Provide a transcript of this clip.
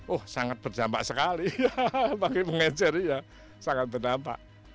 oh sangat berjampak sekali bagi mengejar sangat berdampak